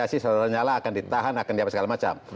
hak asiasi saudaranya akan ditahan akan diapa segala macam